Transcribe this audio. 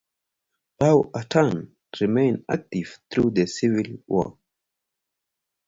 "Powhatan" remained active throughout the Civil War.